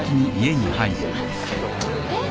えっ？